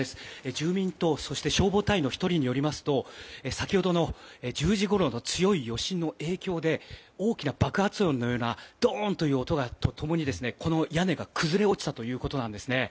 住民と消防隊員の１人によりますと先ほど１０時ごろの強い余震の影響で大きな爆発音のようなドーンという音と共に、屋根が崩れ落ちたということです。